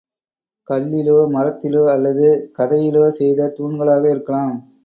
கல்லிலோ மரத்திலோ அல்லது சுதையிலோ செய்த தூண்களாக இருக்கலாம்.